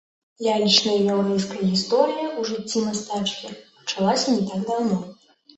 Лялечная яўрэйская гісторыя ў жыцці мастачкі пачалася не так даўно.